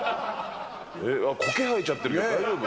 こけ生えちゃってるよ、大丈夫？